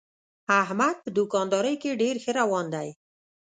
احمد په دوکاندارۍ کې ډېر ښه روان دی.